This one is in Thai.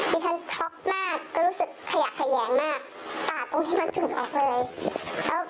ดิฉันช็อคมากก็รู้สึกขยะขยางมากปากตรงนี้มันจึงออกเลย